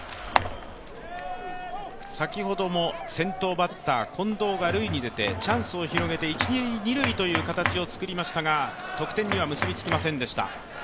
先ほども先頭バッター、近藤が塁に出てチャンスを広げて一・二塁という形を作りましたが、得点には結びつきませんでした。